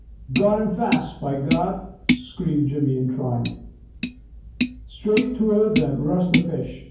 "Got him fast, by God!" screamed Jimmy in triumph. Straight toward them rushed the fish.